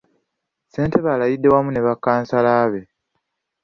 Ssentebe alayidde wamu ne bakkansala be.